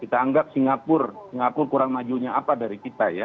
kita anggap singapura singapura kurang majunya apa dari kita ya